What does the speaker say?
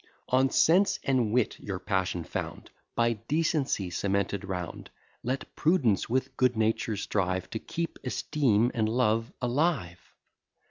On sense and wit your passion found, By decency cemented round; Let prudence with good nature strive, To keep esteem and love alive.